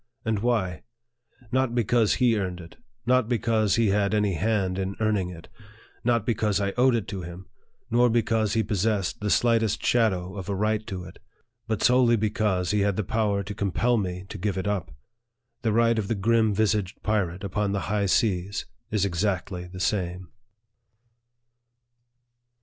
And why ? Not because he earned it, not because he had any hand in earning it, not because I owed it to him, nor because he possessed the slightest shadow of a right to it ; but solely because he had the power to compel me to give it up. The right of the grim vis aged pirate upon the high seas is exactly the same.